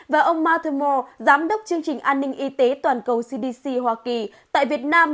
và ông matthomore giám đốc chương trình an ninh y tế toàn cầu cdc hoa kỳ tại việt nam